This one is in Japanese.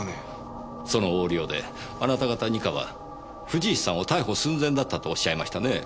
その横領であなた方二課は藤石さんを逮捕寸前だったとおっしゃいましたね。